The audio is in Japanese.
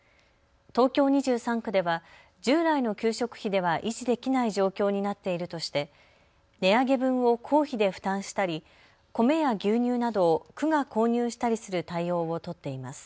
東京２３区では従来の給食費では維持できない状況になっているとして値上げ分を公費で負担したり米や牛乳などを区が購入したりする対応を取っています。